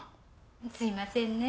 すいませんね。